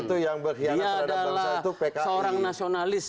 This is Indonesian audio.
dia adalah seorang nasionalis